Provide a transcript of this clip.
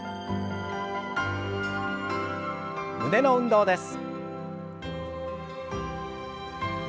胸の運動です。